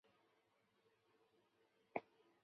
另一个支流马代腊河的涨落要比主流提前两个月。